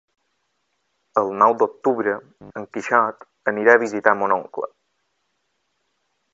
El nou d'octubre en Quixot anirà a visitar mon oncle.